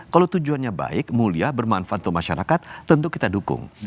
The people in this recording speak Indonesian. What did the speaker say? kalau tujuannya baik mulia bermanfaat untuk masyarakat tentu kita dukung